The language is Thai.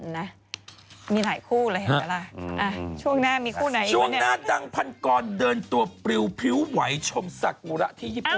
ช่วงหน้ามีคู่ไหนอยู่เนี่ยช่วงหน้าดังพันกรเดินตัวเปรี้ยวผิวไหวชมศักรณะที่ญี่ปุ่น